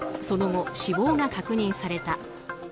その後、死亡が確認された。